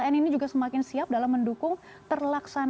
dan ini juga semakin siap dalam mendukung terlebihan